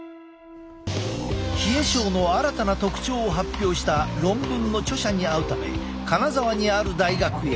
冷え症の新たな特徴を発表した論文の著者に会うため金沢にある大学へ。